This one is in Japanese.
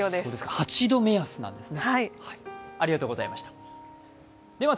８度目安なんですね。